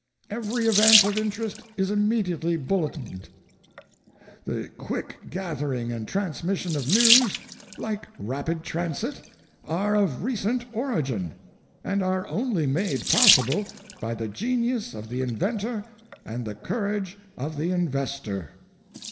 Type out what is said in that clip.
Every event of interest is immediately bulletined. The quick gathering and transmission of news, like rapid transit, are of recent origin, and are only made possible by the genius of the inventor and the courage of the investor.